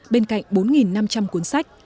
bên cạnh bốn năm trăm linh cuốn sách